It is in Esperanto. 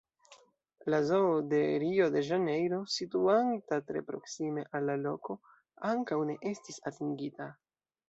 La Zoo de Rio-de-Ĵanejro, situanta tre proksime al la loko, ankaŭ ne estis atingita.